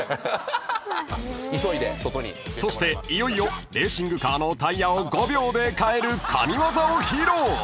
［そしていよいよレーシングカーのタイヤを５秒で替える神業を披露］